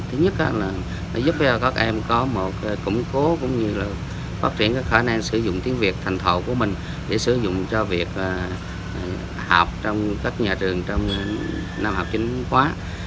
thứ nhất là giúp cho các em có một củng cố cũng như là phát triển khả năng sử dụng tiếng việt thành thầu của mình để sử dụng cho việc học trong các nhà trường trong năm học chính khóa